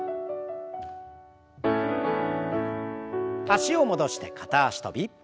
脚を戻して片脚跳び。